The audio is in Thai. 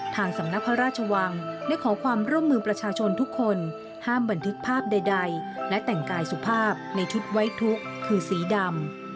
ทางสำนักพระราชวังได้ขอความร่วมมือประชาชนทุกคนห้ามบันทึกภาพใดและแต่งกายสุภาพในชุดไว้ทุกข์คือสีดำ